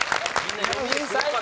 最高！